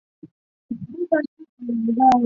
此书是古代南海最早的地志专书。